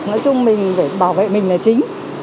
nói chung mình phải bảo vệ mình là chính